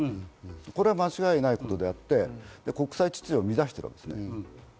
これは間違いないことであって、国際秩序を乱しているわけですよね。